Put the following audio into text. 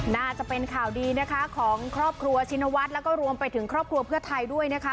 น่าจะเป็นข่าวดีนะคะของครอบครัวชินวัฒน์แล้วก็รวมไปถึงครอบครัวเพื่อไทยด้วยนะคะ